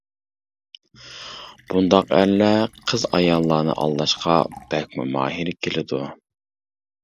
بۇنداق ئەرلەر قىز-ئاياللارنى ئالداشقا بەكمۇ ماھىر كېلىدۇ.